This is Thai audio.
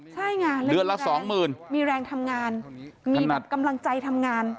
ใช่ไงรายได้มีแรงทำงานมีกำลังใจทำงาน